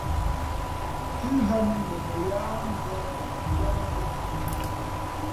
Thʉ́ ghāmα̌ mbᾱ mα yáá njαh yāā tα̌ thʉ̄.